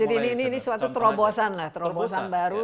jadi ini suatu terobosan lah terobosan baru